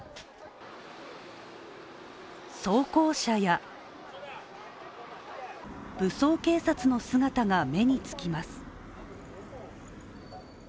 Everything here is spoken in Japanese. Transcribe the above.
装甲車や、武装警察の姿が目につきます。